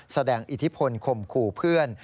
อิทธิพลข่มขู่เพื่อน